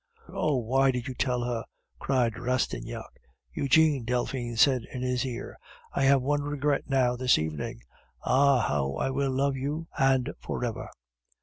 "Oh! why did you tell her?" cried Rastignac. "Eugene," Delphine said in his ear, "I have one regret now this evening. Ah! how I will love you! and for ever!"